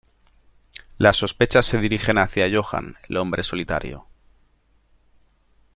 Las sospechas se dirigen hacia Johan el hombre solitario.